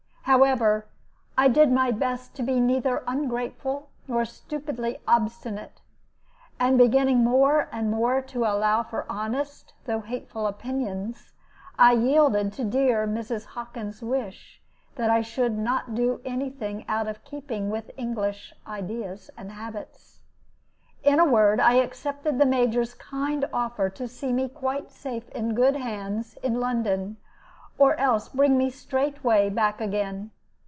However, I did my best to be neither ungrateful nor stupidly obstinate, and, beginning more and more to allow for honest though hateful opinions, I yielded to dear Mrs. Hockin's wish that I should not do any thing out of keeping with English ideas and habits. In a word, I accepted the Major's kind offer to see me quite safe in good hands in London, or else bring me straightway back again.